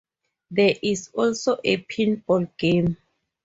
There is also a pinball game.